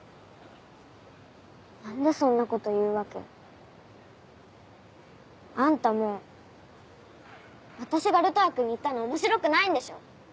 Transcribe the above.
何でそんなこと言うわけ？あんたも私がルトワックに行ったの面白くないんでしょ。